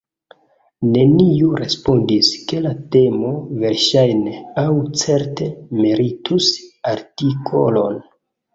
Neniu respondis, ke la temo verŝajne aŭ certe meritus artikolon.